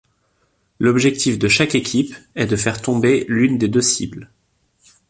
L'objectif de chaque équipe est de faire tomber l'une des deux cibles.